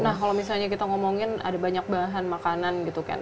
nah kalau misalnya kita ngomongin ada banyak bahan makanan gitu kan